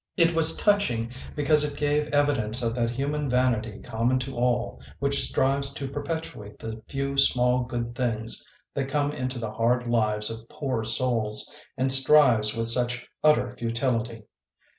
It was touching because it gave evidence of that human vanity common to all, which strives to perpetuate the few small, good things that come into the hard lives of poor souls, and strives with such utter futility.